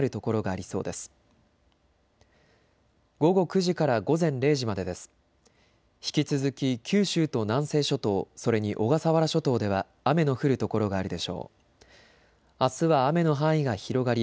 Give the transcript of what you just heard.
あすは雨の範囲が広がり